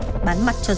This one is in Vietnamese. không bắn lưng cho đất